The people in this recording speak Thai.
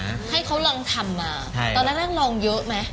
เมนูไอศกรีมที่เค้าลองทำมาตอนนั้นลองเยอะไหม